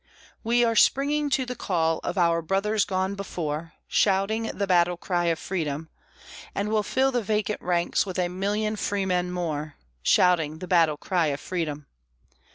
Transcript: We are springing to the call of our brothers gone before, Shouting the battle cry of freedom, And we'll fill the vacant ranks with a million freemen more, Shouting the battle cry of freedom.